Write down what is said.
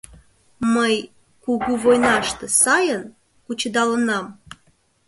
Мый... кугу... войнаште... сайын... кучедалынам?..